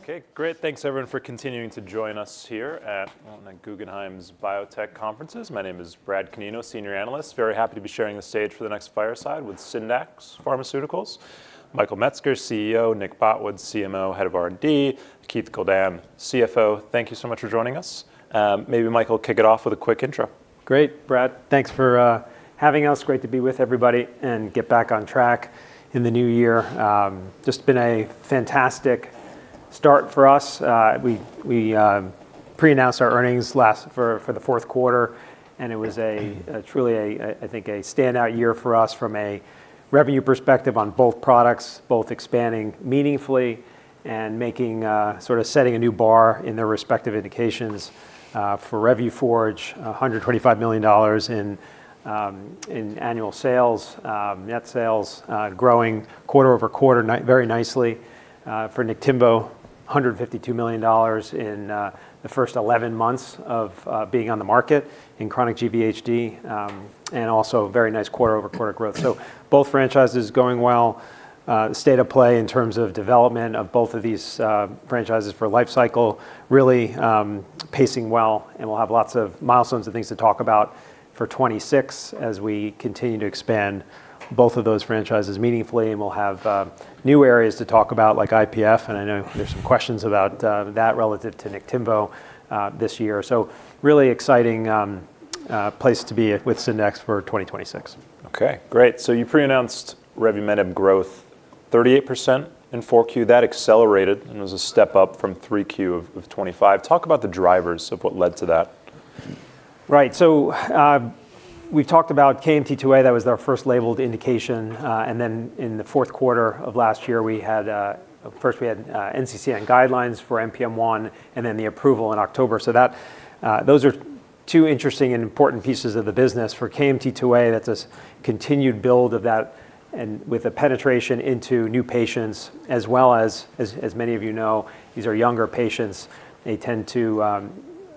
Oh, okay, great. Thanks everyone for continuing to join us here at one of Guggenheim's biotech conferences. My name is Brad Canino, senior analyst. Very happy to be sharing the stage for the next fireside with Syndax Pharmaceuticals, Michael Metzger, CEO, Nick Botwood, CMO, Head of R&D, Keith Goldan, CFO. Thank you so much for joining us. Maybe Michael, kick it off with a quick intro. Great, Brad. Thanks for having us. Great to be with everybody and get back on track in the new year. Just been a fantastic start for us. We pre-announced our earnings last for the fourth quarter, and it was truly a standout year for us from a revenue perspective on both products, both expanding meaningfully and making sort of setting a new bar in their respective indications. For Revuforj, $125 million in annual sales, net sales, growing quarter-over-quarter very nicely. For Niktimvo, $152 million in the first 11 months of being on the market in chronic GVHD, and also a very nice quarter-over-quarter growth. So both franchises going well. The state of play in terms of development of both of these franchises for lifecycle really pacing well, and we'll have lots of milestones and things to talk about for 2026 as we continue to expand both of those franchises meaningfully. And we'll have new areas to talk about, like IPF, and I know there's some questions about that relative to Niktimvo this year. So really exciting place to be at with Syndax for 2026. Okay, great. So you pre-announced revumenib growth, 38% in Q4. That accelerated and was a step up from Q3 of 2025. Talk about the drivers of what led to that? Right. So, we've talked about KMT2A, that was our first labeled indication. And then in the fourth quarter of last year, we had first we had NCCN guidelines for NPM1, and then the approval in October. So that those are two interesting and important pieces of the business. For KMT2A, that's a continued build of that and with a penetration into new patients, as well as, as, as many of you know, these are younger patients. They tend to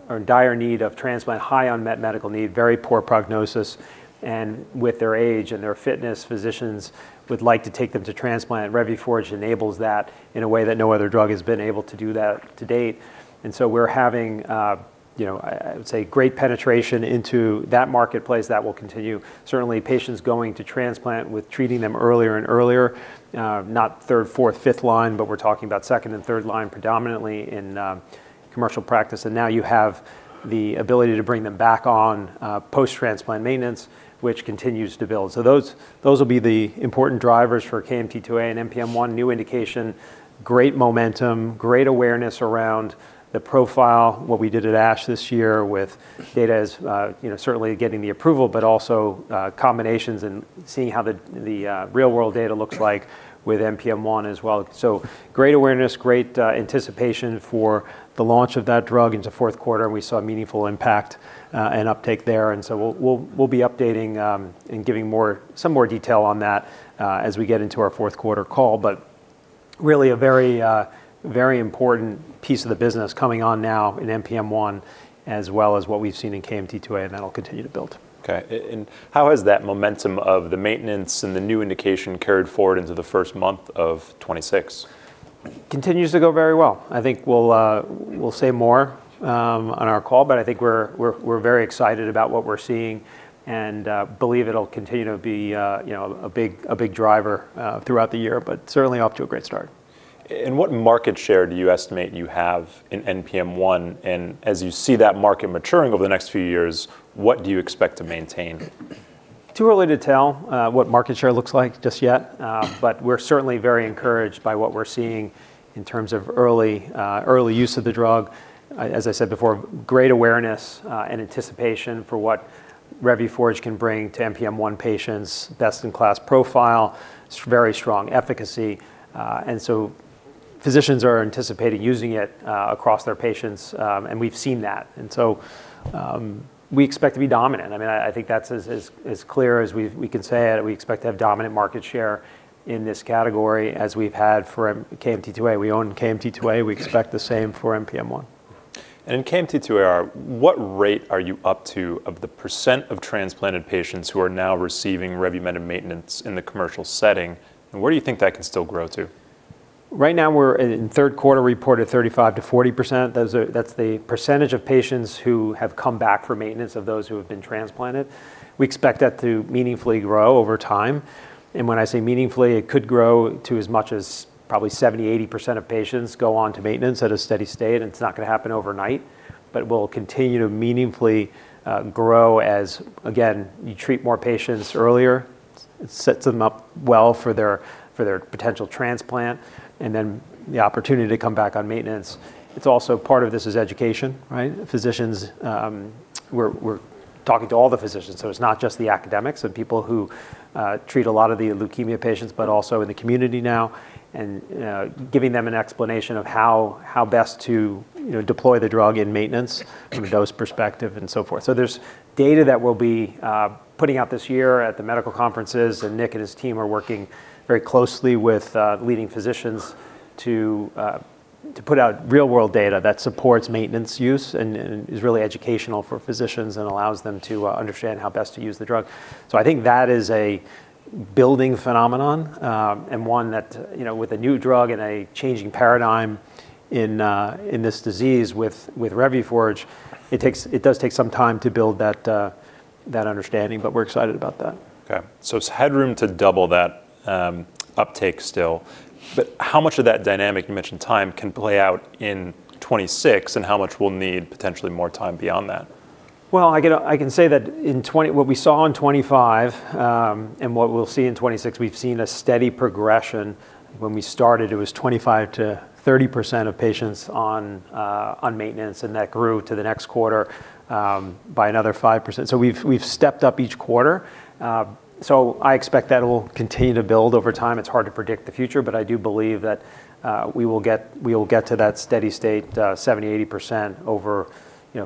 are in dire need of transplant, high unmet medical need, very poor prognosis, and with their age and their fitness, physicians would like to take them to transplant, Revuforj enables that in a way that no other drug has been able to do that to date. And so we're having you know, I, I would say, great penetration into that marketplace. That will continue. Certainly, patients going to transplant with treating them earlier and earlier, not third, fourth, fifth line, but we're talking about second and third line, predominantly in, commercial practice. And now you have the ability to bring them back on, post-transplant maintenance, which continues to build. So those, those will be the important drivers for KMT2A and NPM1. New indication, great momentum, great awareness around the profile. What we did at ASH this year with data is, you know, certainly getting the approval, but also, combinations and seeing how the, the, real-world data looks like with NPM1 as well. So great awareness, great, anticipation for the launch of that drug into fourth quarter, and we saw a meaningful impact, and uptake there. And so we'll be updating and giving more, some more detail on that as we get into our fourth quarter call. But really a very very important piece of the business coming on now in NPM1, as well as what we've seen in KMT2A, and that'll continue to build. Okay. And how has that momentum of the maintenance and the new indication carried forward into the first month of 2026? Continues to go very well. I think we'll say more on our call, but I think we're very excited about what we're seeing and believe it'll continue to be, you know, a big driver throughout the year, but certainly off to a great start. What market share do you estimate you have in NPM1? As you see that market maturing over the next few years, what do you expect to maintain? Too early to tell what market share looks like just yet, but we're certainly very encouraged by what we're seeing in terms of early use of the drug. As I said before, great awareness and anticipation for what Revuforj can bring to NPM1 patients. Best-in-class profile, very strong efficacy, and so physicians are anticipating using it across their patients, and we've seen that. And so, we expect to be dominant. I mean, I think that's as clear as we can say it. We expect to have dominant market share in this category, as we've had for KMT2A. We own KMT2A. We expect the same for NPM1. In KMT2A, what rate are you up to of the percent of transplanted patients who are now receiving revumenib maintenance in the commercial setting? And where do you think that can still grow to? Right now, we're in third quarter reported 35%-40%. Those are. That's the percentage of patients who have come back for maintenance of those who have been transplanted. We expect that to meaningfully grow over time, and when I say meaningfully, it could grow to as much as probably 70% to 80% of patients go on to maintenance at a steady state. It's not gonna happen overnight, but will continue to meaningfully grow as, again, you treat more patients earlier, it sets them up well for their, for their potential transplant, and then the opportunity to come back on maintenance. It's also part of this is education, right? Physicians we're talking to all the physicians, so it's not just the academics and people who treat a lot of the leukemia patients, but also in the community now, and giving them an explanation of how best to, you know, deploy the drug in maintenance from a dose perspective and so forth. So there's data that we'll be putting out this year at the medical conferences, and Nick and his team are working very closely with leading physicians to put out real-world data that supports maintenance use and is really educational for physicians and allows them to understand how best to use the drug. I think that is a building phenomenon, and one that, you know, with a new drug and a changing paradigm in this disease with Revuforj, it takes—it does take some time to build that understanding, but we're excited about that. Okay. So it's headroom to double that, uptake still. But how much of that dynamic, you mentioned time, can play out in 2026, and how much will need potentially more time beyond that? Well, I get, I can say that in 2025—what we saw in 2025, and what we'll see in 2026, we've seen a steady progression. When we started, it was 25% to 30% of patients on maintenance, and that grew to the next quarter by another 5%. So we've stepped up each quarter. So I expect that it will continue to build over time. It's hard to predict the future, but I do believe that we will get to that steady state 70%-80% over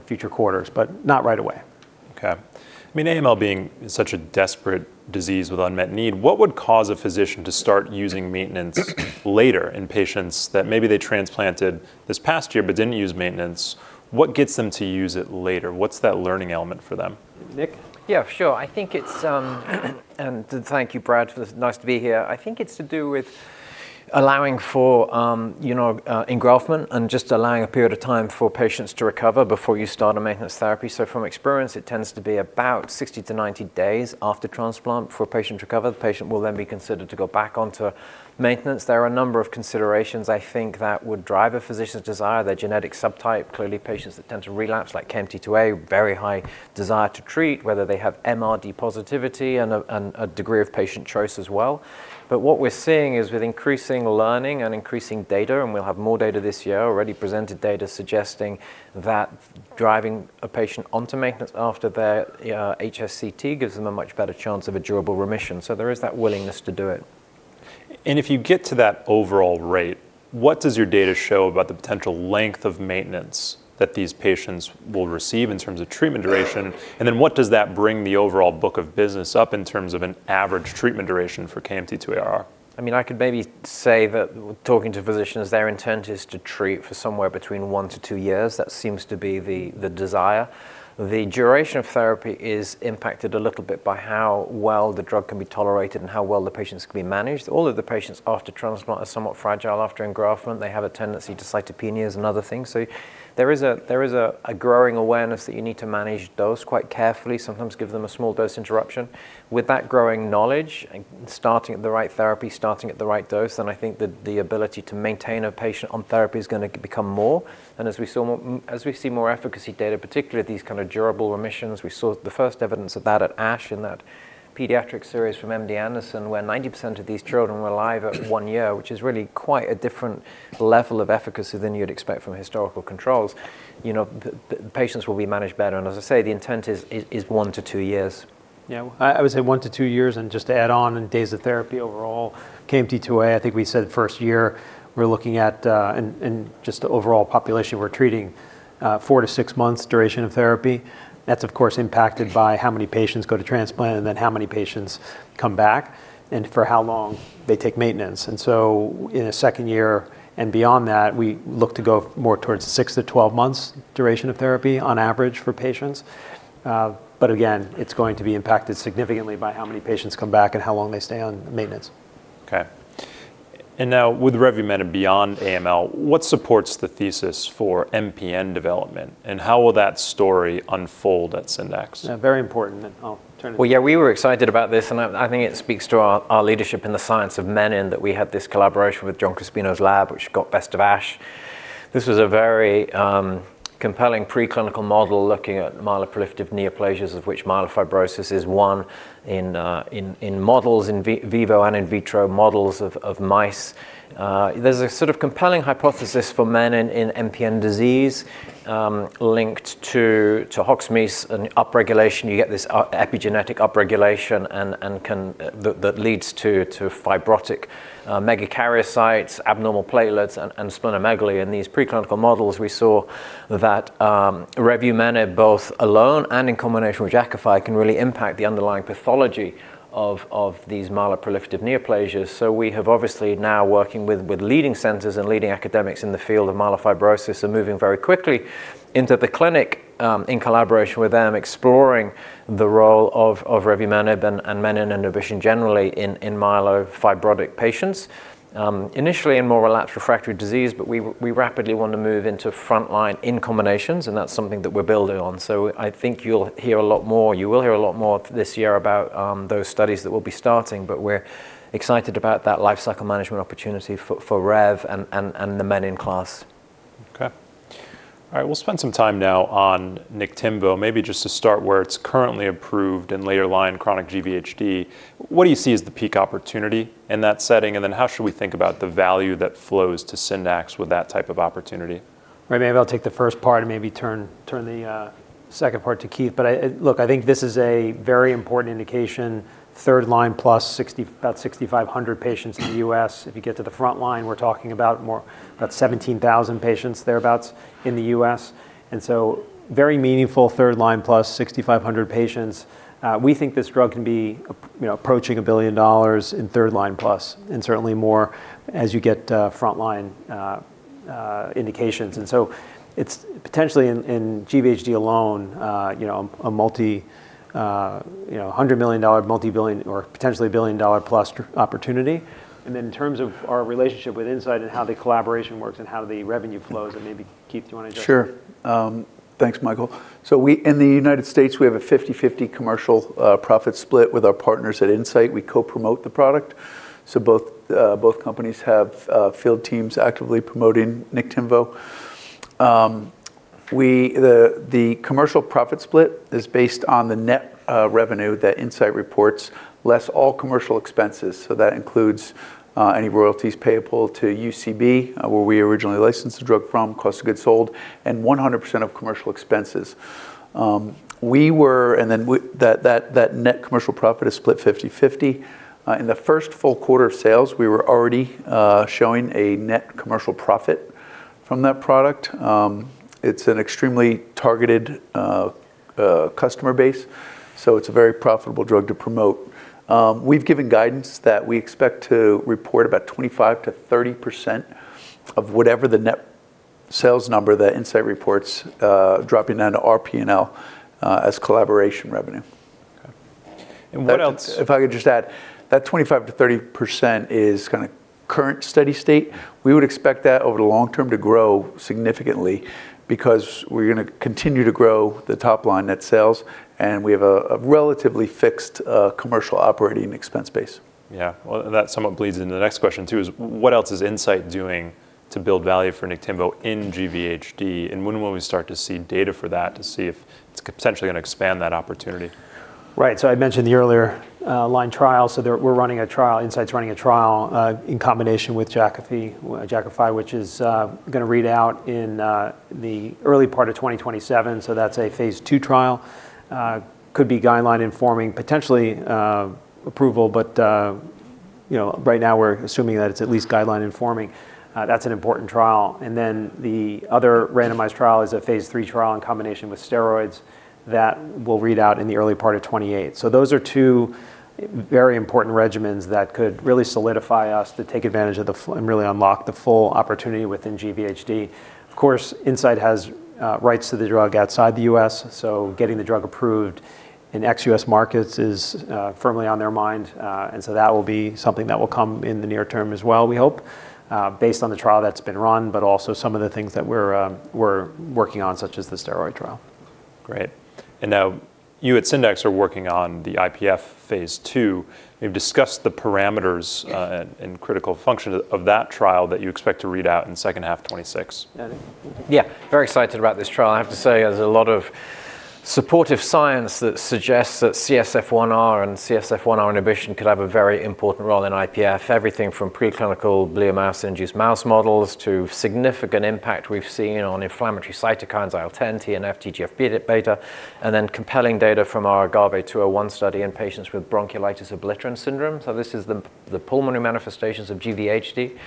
future quarters, but not right away. Okay. I mean, AML being such a desperate disease with unmet need, what would cause a physician to start using maintenance later in patients that maybe they transplanted this past year but didn't use maintenance? What gets them to use it later? What's that learning element for them? Nick? Yeah, sure. I think it's, and thank you, Brad. It's nice to be here. I think it's to do with allowing for, you know, engraftment and just allowing a period of time for patients to recover before you start a maintenance therapy. So from experience, it tends to be about 60-90 days after transplant for a patient to recover. The patient will then be considered to go back onto maintenance. There are a number of considerations I think that would drive a physician's desire, their genetic subtype. Clearly, patients that tend to relapse, like KMT2A, very high desire to treat, whether they have MRD positivity and a degree of patient choice as well. But what we're seeing is with increasing learning and increasing data, and we'll have more data this year, already presented data suggesting that driving a patient onto maintenance after their HSCT gives them a much better chance of a durable remission. So there is that willingness to do it. If you get to that overall rate, what does your data show about the potential length of maintenance that these patients will receive in terms of treatment duration? And then what does that bring the overall book of business up in terms of an average treatment duration for KMT2Ar? I mean, I could maybe say that talking to physicians, their intent is to treat for somewhere between 1 to 2 years. That seems to be the, the desire. The duration of therapy is impacted a little bit by how well the drug can be tolerated and how well the patients can be managed. All of the patients after transplant are somewhat fragile. After engraftment, they have a tendency to cytopenias and other things. So there is a, there is a, a growing awareness that you need to manage dose quite carefully, sometimes give them a small dose interruption. With that growing knowledge and starting at the right therapy, starting at the right dose, then I think the, the ability to maintain a patient on therapy is gonna become more. As we see more efficacy data, particularly these kind of durable remissions, we saw the first evidence of that at ASH in that pediatric series from MD Anderson, where 90% of these children were alive at one year, which is really quite a different level of efficacy than you'd expect from historical controls. You know, the patients will be managed better, and as I say, the intent is 1 to 2 years. Yeah, I would say 1-2 years, and just to add on in days of therapy overall, KMT2A, I think we said first year, we're looking at, in just the overall population, we're treating 4 to 6 months duration of therapy. That's, of course, impacted by how many patients go to transplant and then how many patients come back and for how long they take maintenance. And so in a second year and beyond that, we look to go more towards 6-12 months duration of therapy on average for patients. But again, it's going to be impacted significantly by how many patients come back and how long they stay on maintenance. Okay. And now, with revumenib beyond AML, what supports the thesis for MPN development, and how will that story unfold at Syndax? Very important, and I'll turn it- Well, yeah, we were excited about this, and I think it speaks to our leadership in the science of menin, that we had this collaboration with John Crispino's lab, which got Best of ASH. This was a very compelling preclinical model looking at myeloproliferative neoplasms, of which myelofibrosis is one, in vivo and in vitro models of mice. There's a sort of compelling hypothesis for menin in MPN disease, linked to HOX genes and upregulation. You get this epigenetic upregulation and that leads to fibrotic megakaryocytes, abnormal platelets, and splenomegaly. In these preclinical models, we saw that revumenib, both alone and in combination with Jakafi, can really impact the underlying pathology of these myeloproliferative neoplasms. So we have obviously now working with leading centers and leading academics in the field of myelofibrosis and moving very quickly into the clinic, in collaboration with them, exploring the role of revumenib and menin inhibition generally in myelofibrotic patients. Initially in more relapsed refractory disease, but we rapidly want to move into frontline in combinations, and that's something that we're building on. So I think you'll hear a lot more. You will hear a lot more this year about those studies that we'll be starting, but we're excited about that lifecycle management opportunity for Rev and the menin class. Okay. All right, we'll spend some time now on Niktimvo, maybe just to start where it's currently approved in later-line chronic GVHD. What do you see as the peak opportunity in that setting? And then how should we think about the value that flows to Syndax with that type of opportunity? Right. Maybe I'll take the first part and maybe turn the second part to Keith. But look, I think this is a very important indication. Third-line plus 6,500 - about 6,500 patients in the U.S. If you get to the front line, we're talking about more, about 17,000 patients, thereabouts, in the U.S. And so very meaningful third-line plus 6,500 patients. We think this drug can be approaching, you know, $1 billion in third-line plus, and certainly more as you get front-line indications. And so it's potentially in GVHD alone, you know, a multi-, you know, $100 million-dollar, multi-billion-, or potentially a billion-dollar plus drug opportunity. And then in terms of our relationship with Incyte and how the collaboration works and how the revenue flows, and maybe, Keith, do you want to address that? Sure. Thanks, Michael. So we in the United States have a 50/50 commercial profit split with our partners at Incyte. We co-promote the product, so both companies have field teams actively promoting Niktimvo. So the commercial profit split is based on the net revenue that Incyte reports, less all commercial expenses. So that includes any royalties payable to UCB, where we originally licensed the drug from, cost of goods sold, and 100% of commercial expenses. And then that net commercial profit is split 50/50. In the first full quarter of sales, we were already showing a net commercial profit from that product. It's an extremely targeted customer base, so it's a very profitable drug to promote. We've given guidance that we expect to report about 25%-30% of whatever the net sales number that Incyte reports, dropping down to our P&L, as collaboration revenue. Okay. And what else- If I could just add, that 25%-30% is kinda current steady state. We would expect that over the long term to grow significantly because we're gonna continue to grow the top line net sales, and we have a relatively fixed commercial operating expense base. Yeah. Well, that somewhat bleeds into the next question, too, is what else is Incyte doing to build value for Niktimvo in GVHD? And when will we start to see data for that, to see if it's potentially gonna expand that opportunity? Right. So I mentioned the earlier line trial. So they're running a trial, Incyte's running a trial, in combination with Jakafi, Jakafi, which is gonna read out in the early part of 2027. So that's a phase II trial. Could be guideline-informing, potentially approval, but you know, right now, we're assuming that it's at least guideline-informing. That's an important trial. And then the other randomized trial is a phase III trial in combination with steroids that will read out in the early part of 2028. So those are two very important regimens that could really solidify us to take advantage of the full and really unlock the full opportunity within GVHD. Of course, Incyte has rights to the drug outside the US, so getting the drug approved in ex-US markets is firmly on their mind. That will be something that will come in the near term as well, we hope, based on the trial that's been run, but also some of the things that we're working on, such as the steroid trial. Great. And now, you at Syndax are working on the IPF phase II. You've discussed the parameters- Yeah. And critical function of that trial that you expect to read out in second half 2026. Yeah. Yeah, very excited about this trial. I have to say, there's a lot of supportive science that suggests that CSF1R and CSF1R inhibition could have a very important role in IPF. Everything from preclinical bleomycin-induced mouse models to significant impact we've seen on inflammatory cytokines, IL-10, TNF, TGF-beta, and then compelling data from our AGAVE-201 study in patients with bronchiolitis obliterans syndrome. So this is the the pulmonary manifestations of GVHD,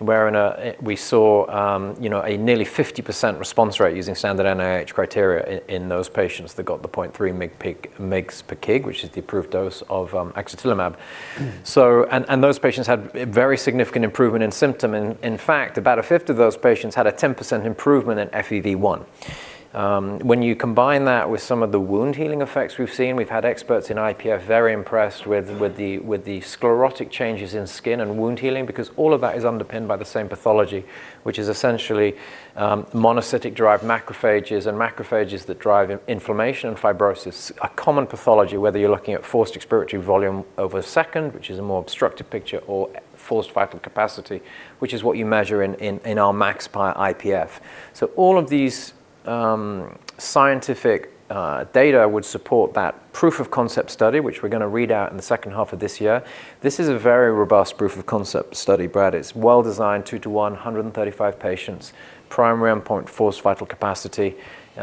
wherein, we saw, you know, a nearly 50% response rate using standard NIH criteria in those patients that got the 0.3 mg per kg, which is the approved dose of, axatilimab. So. And those patients had very significant improvement in symptom. In fact, about a fifth of those patients had a 10% improvement in FEV1. When you combine that with some of the wound-healing effects we've seen, we've had experts in IPF very impressed with the sclerotic changes in skin and wound healing, because all of that is underpinned by the same pathology, which is essentially monocytic-derived macrophages and macrophages that drive inflammation and fibrosis. A common pathology, whether you're looking at forced expiratory volume over a second, which is a more obstructive picture, or forced vital capacity, which is what you measure in our Ax-IPF. So all of these scientific data would support that proof-of-concept study, which we're gonna read out in the second half of this year. This is a very robust proof-of-concept study, Brad. It's well-designed, 2-to-1, 135 patients, primary endpoint, forced vital capacity.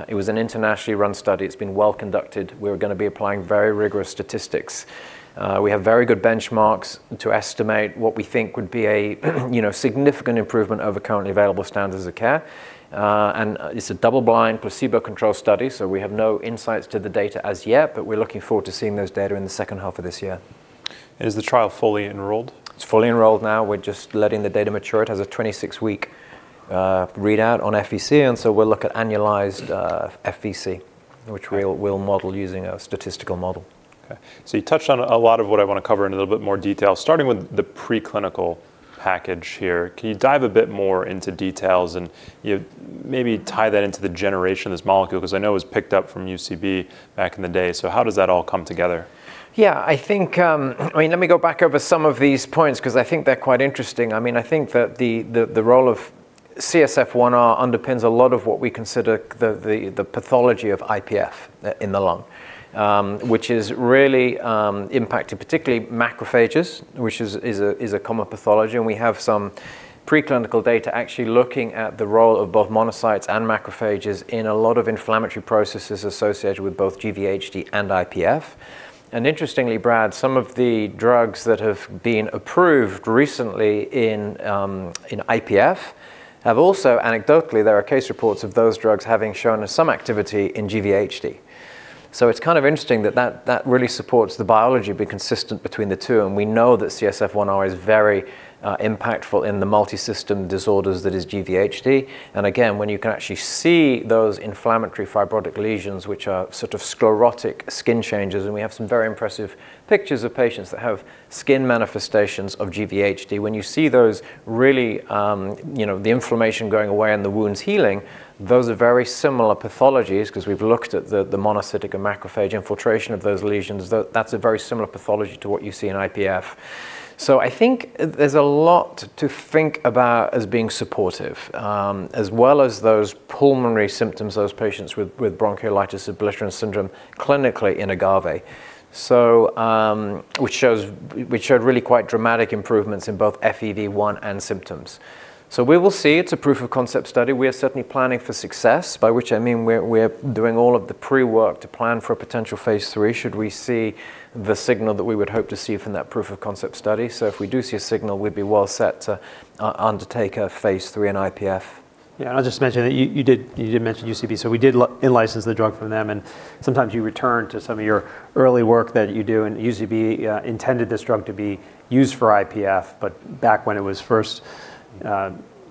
It was an internationally run study. It's been well conducted. We're gonna be applying very rigorous statistics. We have very good benchmarks to estimate what we think would be a, you know, significant improvement over currently available standards of care. It's a double-blind, placebo-controlled study, so we have no insights to the data as yet, but we're looking forward to seeing those data in the second half of this year. Is the trial fully enrolled? It's fully enrolled now. We're just letting the data mature. It has a 26-week readout on FVC, and so we'll look at annualized FVC. Right. Which we'll model using a statistical model. Okay. So you touched on a lot of what I want to cover in a little bit more detail, starting with the preclinical package here. Can you dive a bit more into details and, you know, maybe tie that into the generation of this molecule? Because I know it was picked up from UCB back in the day. So how does that all come together? Yeah, I think, I mean, let me go back over some of these points, 'cause I think they're quite interesting. I mean, I think that the role of CSF1R underpins a lot of what we consider the pathology of IPF in the lung, which is really impacting, particularly macrophages, which is a common pathology. And we have some preclinical data actually looking at the role of both monocytes and macrophages in a lot of inflammatory processes associated with both GVHD and IPF. And interestingly, Brad, some of the drugs that have been approved recently in IPF have also anecdotally, there are case reports of those drugs having shown some activity in GVHD. So it's kind of interesting that that really supports the biology being consistent between the two, and we know that CSF1R is very impactful in the multisystem disorders that is GVHD. And again, when you can actually see those inflammatory fibrotic lesions, which are sort of sclerotic skin changes, and we have some very impressive pictures of patients that have skin manifestations of GVHD. When you see those really, you know, the inflammation going away and the wounds healing, those are very similar pathologies 'cause we've looked at the monocytic and macrophage infiltration of those lesions. That's a very similar pathology to what you see in IPF. So I think there's a lot to think about as being supportive, as well as those pulmonary symptoms, those patients with bronchiolitis obliterans syndrome clinically in AGAVE. So, which showed really quite dramatic improvements in both FEV1 and symptoms. So we will see. It's a proof of concept study. We are certainly planning for success, by which I mean we're doing all of the pre-work to plan for a potential phase III should we see the signal that we would hope to see from that proof of concept study. So if we do see a signal, we'd be well set to undertake a phase III in IPF. Yeah, I'll just mention that you did mention UCB. So we did in-license the drug from them, and sometimes you return to some of your early work that you do. And UCB intended this drug to be used for IPF, but back when it was first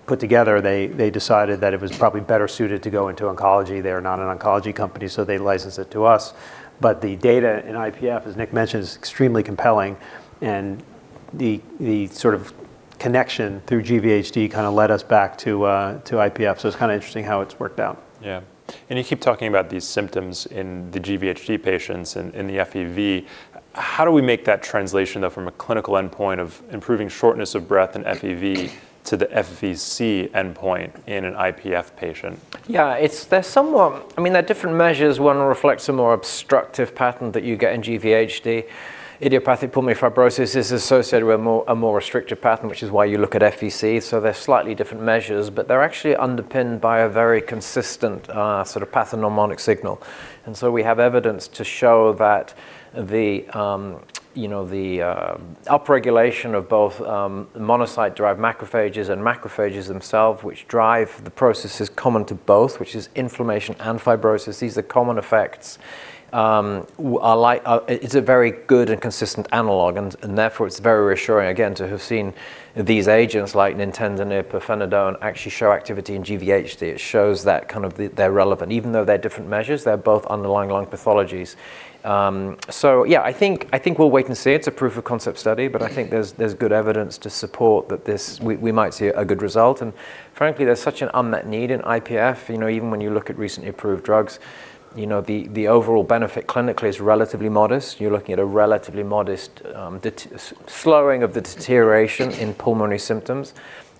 put together, they decided that it was probably better suited to go into oncology. They are not an oncology company, so they licensed it to us. But the data in IPF, as Nick mentioned, is extremely compelling, and the sort of connection through GVHD kind of led us back to IPF. So it's kind of interesting how it's worked out. Yeah. And you keep talking about these symptoms in the GVHD patients and in the FEV. How do we make that translation, though, from a clinical endpoint of improving shortness of breath and FEV to the FVC endpoint in an IPF patient? Yeah, it's there's somewhat, I mean, they're different measures. One reflects a more obstructive pattern that you get in GVHD. Idiopathic pulmonary fibrosis is associated with a more, a more restrictive pattern, which is why you look at FVC. So they're slightly different measures, but they're actually underpinned by a very consistent, sort of pathognomonic signal. And so we have evidence to show that the, you know, the, upregulation of both, monocyte-derived macrophages and macrophages themselves, which drive the process, is common to both, which is inflammation and fibrosis. These are common effects. like, It's a very good and consistent analogue, and, and therefore, it's very reassuring again, to have seen these agents, like nintedanib or pirfenidone, actually show activity in GVHD. It shows that kind of they're relevant. Even though they're different measures, they're both underlying lung pathologies. So yeah, I think, I think we'll wait and see. It's a proof of concept study, but I think there's good evidence to support that this we might see a good result. And frankly, there's such an unmet need in IPF. You know, even when you look at recently approved drugs, you know, the overall benefit clinically is relatively modest. You're looking at a relatively modest slowing of the deterioration in pulmonary symptoms.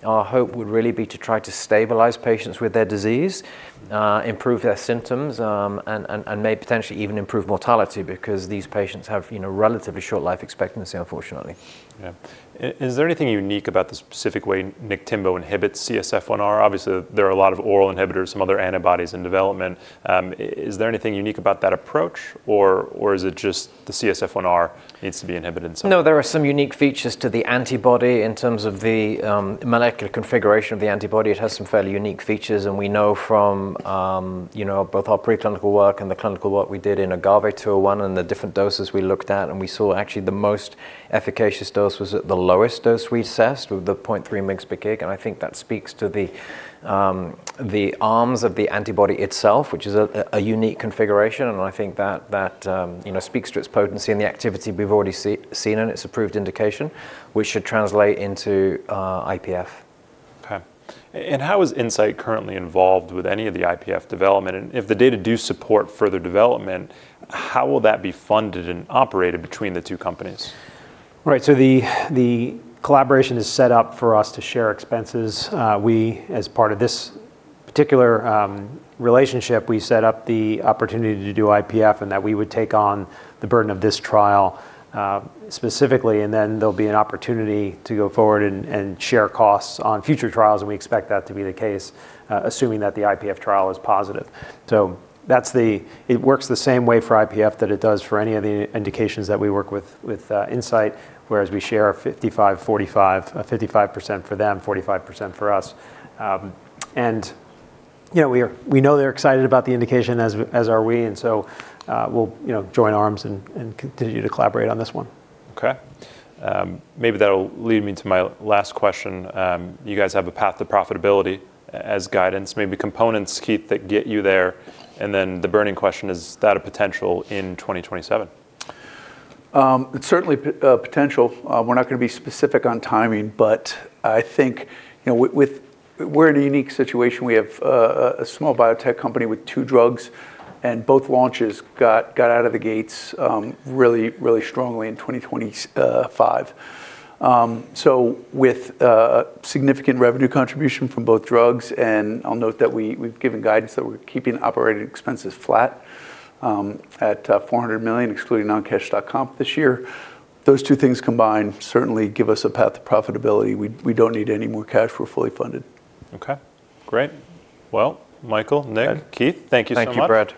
Our hope would really be to try to stabilize patients with their disease, improve their symptoms, and may potentially even improve mortality because these patients have, you know, relatively short life expectancy, unfortunately. Yeah. Is there anything unique about the specific way Niktimvo inhibits CSF1R? Obviously, there are a lot of oral inhibitors, some other antibodies in development. Is there anything unique about that approach, or is it just the CSF1R needs to be inhibited? No, there are some unique features to the antibody in terms of the molecular configuration of the antibody. It has some fairly unique features, and we know from you know, both our preclinical work and the clinical work we did in AGAVE-201 and the different doses we looked at, and we saw actually the most efficacious dose was at the lowest dose we assessed, with the 0.3 mg/kg. And I think that speaks to the arms of the antibody itself, which is a unique configuration, and I think that speaks to its potency and the activity we've already seen in its approved indication, which should translate into IPF. Okay. How is Incyte currently involved with any of the IPF development? If the data do support further development, how will that be funded and operated between the two companies? Right, so the collaboration is set up for us to share expenses. We, as part of this particular relationship, we set up the opportunity to do IPF and that we would take on the burden of this trial, specifically, and then there'll be an opportunity to go forward and share costs on future trials, and we expect that to be the case, assuming that the IPF trial is positive. So that's the it works the same way for IPF than it does for any of the indications that we work with, with Incyte, whereas we share a 55-45, 55% for them, 45% for us. And, you know, we know they're excited about the indication as as are we, and so, we'll, you know, join arms and continue to collaborate on this one. Okay. Maybe that'll lead me to my last question. You guys have a path to profitability as guidance, maybe components, Keith, that get you there, and then the burning question: Is that a potential in 2027? It's certainly a potential. We're not going to be specific on timing, but I think, you know, with we're in a unique situation. We have a small biotech company with two drugs, and both launches got out of the gates really, really strongly in 2025. So with significant revenue contribution from both drugs, and I'll note that we've given guidance that we're keeping operating expenses flat at $400 million, excluding non-cash comp this year. Those two things combined certainly give us a path to profitability. We don't need any more cash. We're fully funded. Okay, great. Well, Michael- Good Nick, Keith, thank you so much. Thank you, Brad.